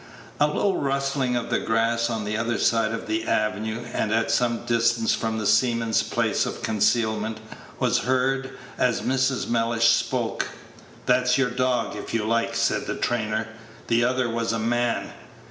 A low rustling of the grass on the other side of the avenue, and at some distance from the seaman's place of concealment, was heard as Mrs. Mellish spoke. "That's your dog, if you like," said the trainer; "the other was a man.